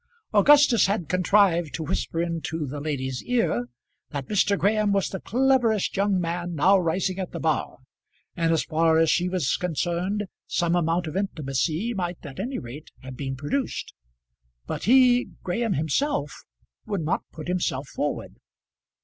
Augustus had contrived to whisper into the lady's ear that Mr. Graham was the cleverest young man now rising at the bar, and as far as she was concerned, some amount of intimacy might at any rate have been produced; but he, Graham himself, would not put himself forward.